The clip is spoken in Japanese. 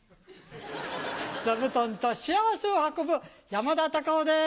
座布団と幸せを運ぶ山田隆夫です。